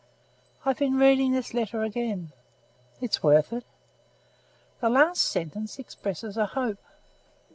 "I've been reading this letter again." "It's worth it." "The last sentence expresses a hope."